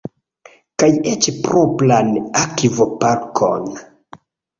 Kaj eĉ propran akvoparkon!